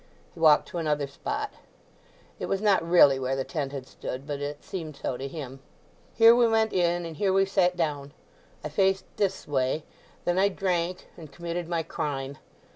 He walked to another spot, it was not really where the tent had stood but it seemed so to him. "Here we went in, and here we sat down. I faced this way. Then I drank, and committed my crime.